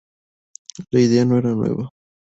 La idea no era nueva.